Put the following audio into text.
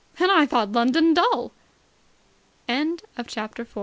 And I thought London dull!" CHAPTER 5.